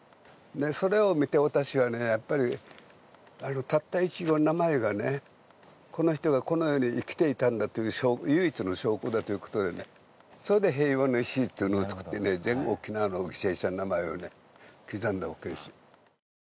それを見て、私は、たった１行名前が、この人がこの世に生きていたんだという唯一の証拠だといってそれで平和の礎というのを作って、全部、沖縄の犠牲者の名前を刻んだんです。